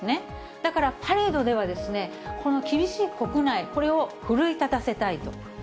だから、パレードでは、この厳しい国内、これを奮い立たせたいと。